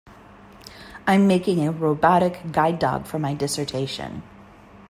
I'm making a robotic guide dog for my dissertation.